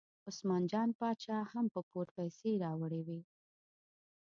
عثمان جان باچا هم په پور پیسې راوړې وې.